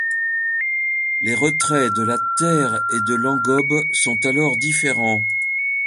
Les retraits de la terre et de l’engobe sont alors différents.